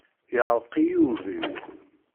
Iεreq-iyi ubrid.